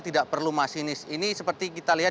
tidak perlu masinis ini seperti kita lihat